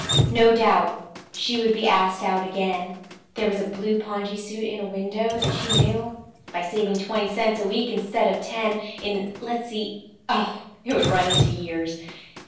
No doubt she would be asked out again. There was a blue pongee suit in a window that she knew—by saving twenty cents a week instead of ten, in—let's see—Oh, it would run into years!